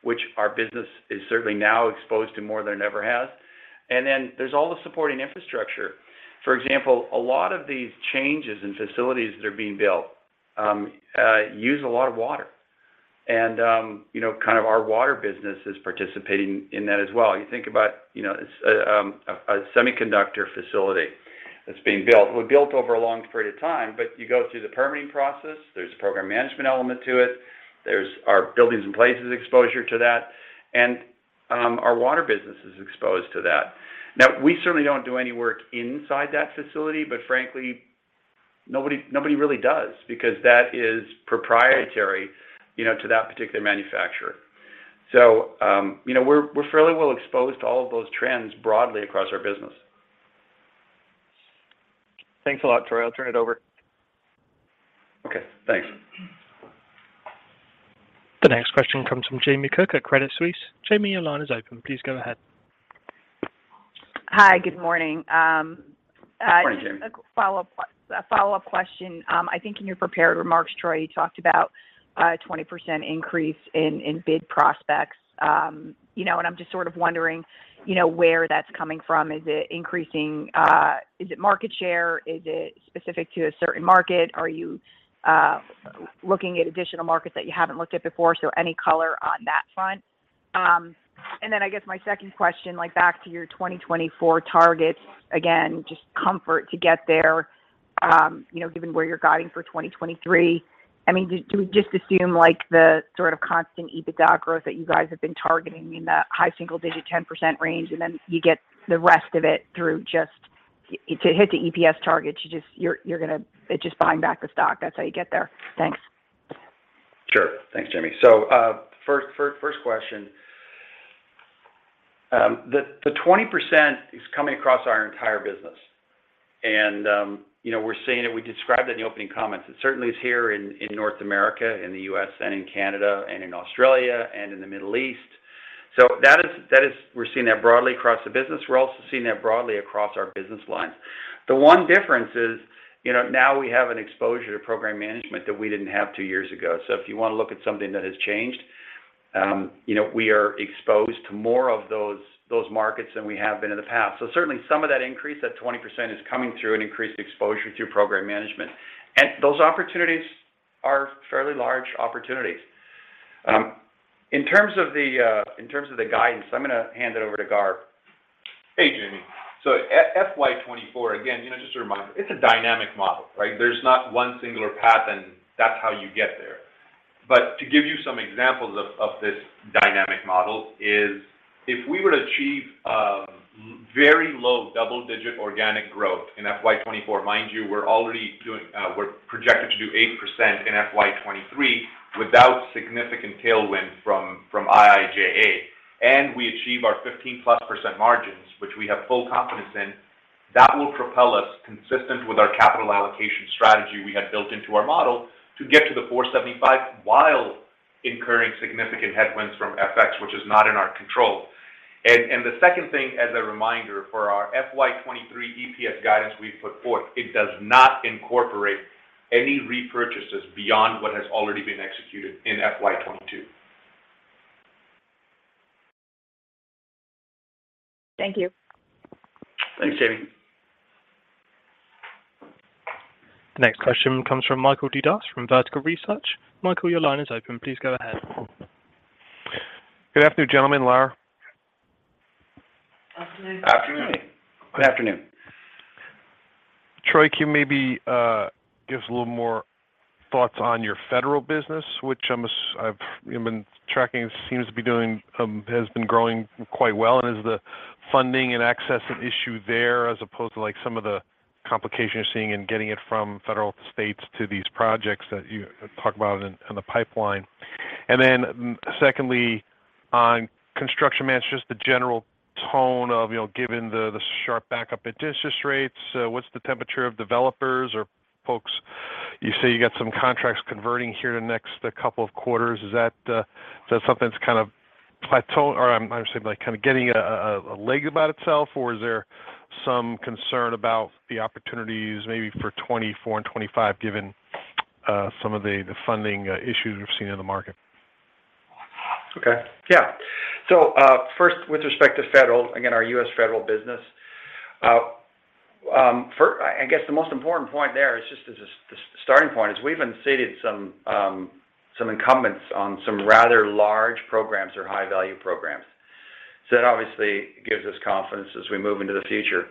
which our business is certainly now exposed to more than it ever has. There's all the supporting infrastructure. For example, a lot of these changes in facilities that are being built use a lot of water and, you know, kind of our water business is participating in that as well. You think about, you know, a semiconductor facility that's being built over a long period of time, but you go through the permitting process, there's a program management element to it, there's our buildings and places exposure to that, and our water business is exposed to that. Now, we certainly don't do any work inside that facility, but frankly, nobody really does because that is proprietary, you know, to that particular manufacturer. You know, we're fairly well exposed to all of those trends broadly across our business. Thanks a lot, Troy. I'll turn it over. Okay, thanks. The next question comes from Jamie Cook at Credit Suisse. Jamie, your line is open. Please go ahead. Hi. Good morning. Good morning, Jamie. A follow-up question. I think in your prepared remarks, Troy, you talked about a 20% increase in bid prospects. You know, and I'm just sort of wondering, you know, where that's coming from. Is it increasing? Is it market share? Is it specific to a certain market? Are you looking at additional markets that you haven't looked at before? Any color on that front. And then I guess my second question, like back to your 2024 targets, again, just comfort to get there, you know, given where you're guiding for 2023. I mean, do we just assume like the sort of constant EBITDA growth that you guys have been targeting in the high single digit 10% range, and then you get the rest of it through just... To hit the EPS targets, you're just gonna buy back the stock. That's how you get there. Thanks. Sure. Thanks, Jamie. First question. The 20% is coming across our entire business and, you know, we're seeing it. We described it in the opening comments. It certainly is here in North America, in the U.S., and in Canada, and in Australia, and in the Middle East. That is, we're seeing that broadly across the business. We're also seeing that broadly across our business lines. The one difference is, you know, now we have an exposure to program management that we didn't have two years ago. If you wanna look at something that has changed, you know, we are exposed to more of those markets than we have been in the past. Certainly, some of that increase, that 20% is coming through an increased exposure through program management. Those opportunities are fairly large opportunities. In terms of the guidance, I'm gonna hand it over to Gaurav. Hey, Jamie. FY 2024, again, you know, just a reminder, it's a dynamic model, right? There's not one singular path, and that's how you get there. To give you some examples of this dynamic model is if we were to achieve very low double-digit organic growth in FY 2024, mind you, we're projected to do 8% in FY 2023 without significant tailwind from IIJA. We achieve our 15%+ margins, which we have full confidence in, that will propel us consistent with our capital allocation strategy we had built into our model to get to the $4.75 while incurring significant headwinds from FX, which is not in our control. The second thing, as a reminder, for our FY 2023 EPS guidance we've put forth, it does not incorporate any repurchases beyond what has already been executed in FY 2022. Thank you. Thanks, Jamie. The next question comes from Michael Dudas from Vertical Research. Michael, your line is open. Please go ahead. Good afternoon, gentlemen, Lara. Afternoon. Afternoon. Good afternoon. Troy, can you maybe give us a little more thoughts on your federal business, which I've, you know, been tracking, seems to be doing has been growing quite well. Is the funding and access an issue there as opposed to like some of the complication you're seeing in getting it from federal to states to these projects that you talk about in the pipeline? Then secondly, on construction management, the general tone of, you know, given the sharp backup interest rates, what's the temperature of developers or folks? You say you got some contracts converting here the next couple of quarters. Is that something that's kind of, or I'm saying like kinda getting a leg about itself, or is there some concern about the opportunities maybe for 2024 and 2025, given some of the funding issues we've seen in the market? Okay. Yeah. First, with respect to federal, again, our U.S. federal business, first, I guess the most important point there is just the starting point is we've been selected as some incumbents on some rather large programs or high value programs. That obviously gives us confidence as we move into the future.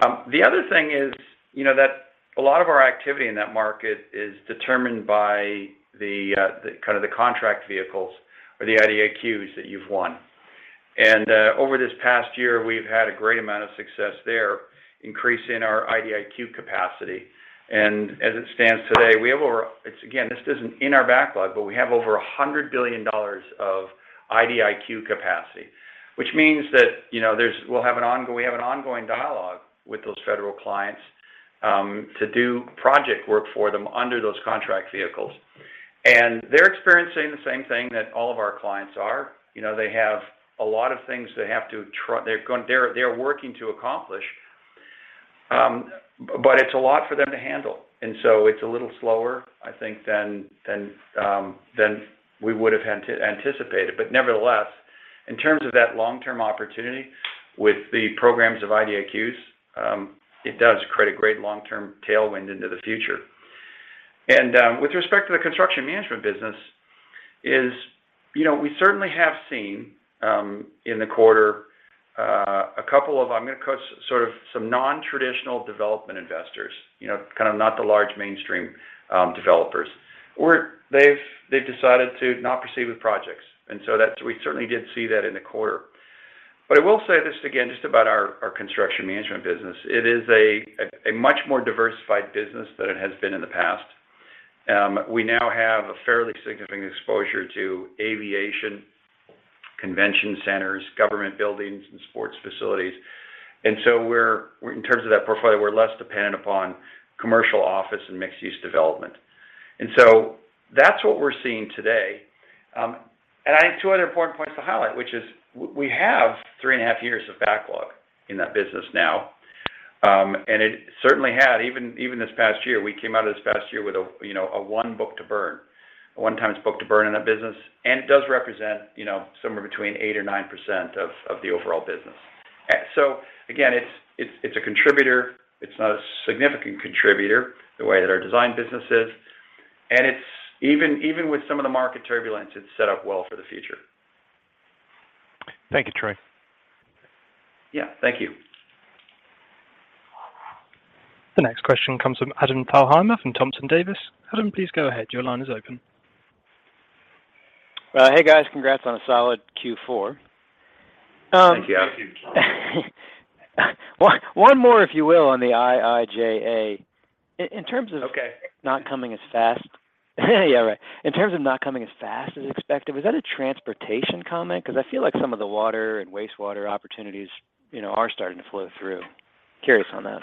The other thing is, you know, that a lot of our activity in that market is determined by the kind of contract vehicles or the IDIQs that you've won. Over this past year, we've had a great amount of success there, increasing our IDIQ capacity. As it stands today, we have over... It's again, this isn't in our backlog, but we have over $100 billion of IDIQ capacity, which means that, you know, we'll have an ongoing dialogue with those federal clients to do project work for them under those contract vehicles. They're experiencing the same thing that all of our clients are. You know, they have a lot of things they're working to accomplish, but it's a lot for them to handle, and so it's a little slower, I think, than we would've anticipated. Nevertheless, in terms of that long-term opportunity with the programs of IDIQs, it does create a great long-term tailwind into the future. With respect to the construction management business, you know, we certainly have seen in the quarter a couple of, I'm gonna call sort of some non-traditional development investors. You know, kind of not the large mainstream developers. They've decided to not proceed with projects, and so that's what we certainly did see that in the quarter. But I will say this again, just about our construction management business. It is a much more diversified business than it has been in the past. We now have a fairly significant exposure to aviation, convention centers, government buildings, and sports facilities. We're in terms of that portfolio, we're less dependent upon commercial office and mixed use development. That's what we're seeing today. I have two other important points to highlight, which is we have 3.5 years of backlog in that business now. It certainly had even this past year, we came out of this past year with, you know, a 1x book-to-burn in that business. It does represent, you know, somewhere between 8% or 9% of the overall business. So again, it's a contributor. It's not a significant contributor the way that our design business is. It's even with some of the market turbulence it's set up well for the future. Thank you, Troy. Yeah, thank you. The next question comes from Adam Thalhimer from Thompson Davis & Co. Adam, please go ahead. Your line is open. Well, hey guys. Congrats on a solid Q4. Thank you. One more, if you will, on the IIJA. In terms of Okay Not coming as fast. Yeah, right. In terms of not coming as fast as expected, was that a transportation comment? 'Cause I feel like some of the water and wastewater opportunities, you know, are starting to flow through. Curious on that.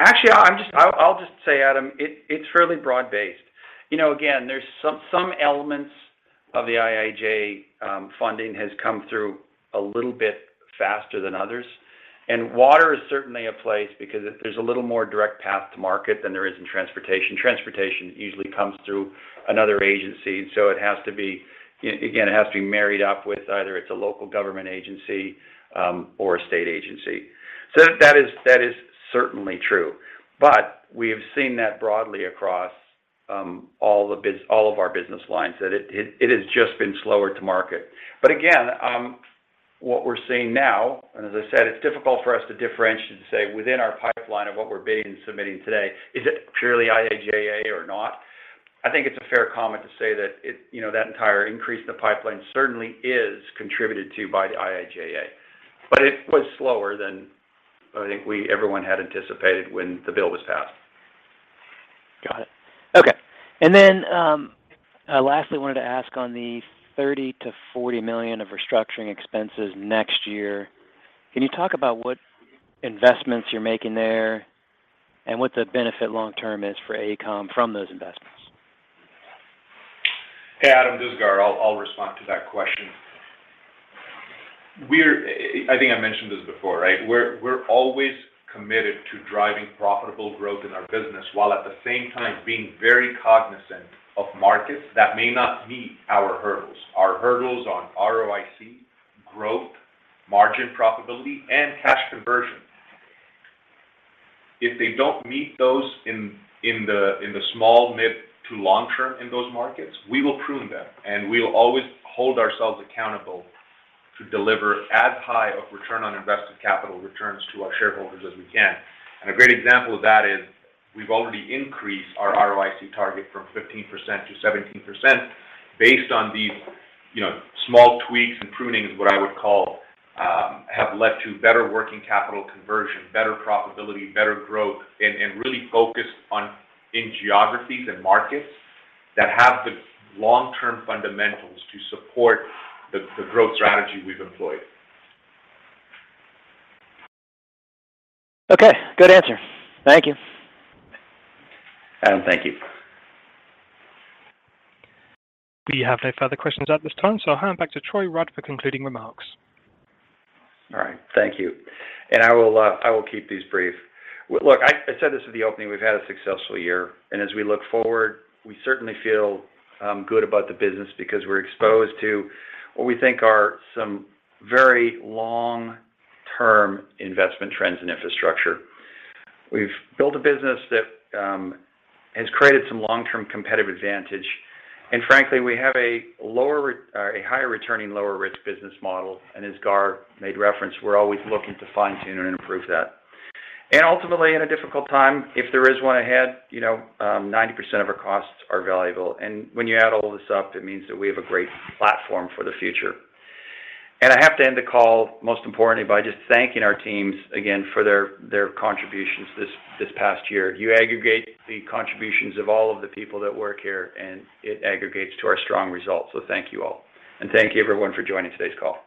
Actually I'll just say, Adam, it's fairly broad-based. You know, again, there's some elements of the IIJA funding has come through a little bit faster than others. Water is certainly a place because there's a little more direct path to market than there is in transportation. Transportation usually comes through another agency, so it has to be again married up with either it's a local government agency or a state agency. That is certainly true. We have seen that broadly across all of our business lines that it has just been slower to market. Again, what we're seeing now, and as I said, it's difficult for us to differentiate and say within our pipeline of what we're bidding and submitting today, is it purely IIJA or not? I think it's a fair comment to say that it, you know, that entire increase in the pipeline certainly is contributed to by the IIJA, but it was slower than I think we, everyone had anticipated when the bill was passed. Got it. Okay. Lastly, I wanted to ask on the $30 million-$40 million of restructuring expenses next year, can you talk about what investments you're making there and what the benefit long term is for AECOM from those investments? Hey, Adam Thalhimer. This is Gaurav Kapoor. I'll respond to that question. I think I mentioned this before, right? We're always committed to driving profitable growth in our business, while at the same time being very cognizant of markets that may not meet our hurdles. Our hurdles on ROIC, growth, margin profitability, and cash conversion. If they don't meet those in the small mid-to-long term in those markets, we will prune them, and we will always hold ourselves accountable to deliver as high of return on invested capital returns to our shareholders as we can. A great example of that is we've already increased our ROIC target from 15% to 17% based on these, you know, small tweaks and prunings, what I would call, have led to better working capital conversion, better profitability, better growth, and really focused on in geographies and markets that have the long-term fundamentals to support the growth strategy we've employed. Okay. Good answer. Thank you. Adam, thank you. We have no further questions at this time, so I'll hand back to Troy Rudd for concluding remarks. All right. Thank you. I will keep these brief. Look, I said this at the opening. We've had a successful year, and as we look forward, we certainly feel good about the business because we're exposed to what we think are some very long-term investment trends in infrastructure. We've built a business that has created some long-term competitive advantage, and frankly, we have a lower or a higher returning, lower risk business model. As Gaur made reference, we're always looking to fine-tune and improve that. Ultimately, in a difficult time, if there is one ahead, you know, 90% of our costs are variable. When you add all this up, it means that we have a great platform for the future. I have to end the call, most importantly, by just thanking our teams again for their contributions this past year. You aggregate the contributions of all of the people that work here, and it aggregates to our strong results, so thank you all. Thank you everyone for joining today's call.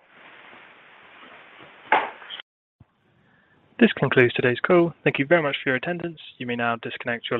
This concludes today's call. Thank you very much for your attendance. You may now disconnect your line.